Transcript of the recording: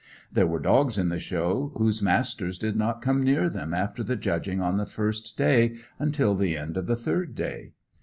There were dogs in the Show whose masters did not come near them after the judging on the first day, until the end of the third day.